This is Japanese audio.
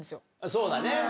そうだね。